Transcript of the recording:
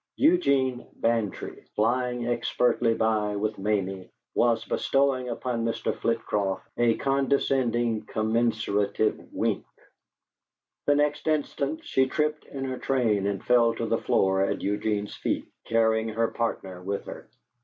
Eugene Bantry, flying expertly by with Mamie, was bestowing upon Mr. Flitcroft a condescendingly commiserative wink. The next instant she tripped in her train and fell to the floor at Eugene's feet, carrying her partner with her.